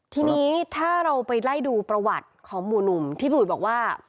ทีนี้ถ้าเราไปไล่ดูประวัติของหมู่หนุ่มที่พี่อุ๋ยบอกว่า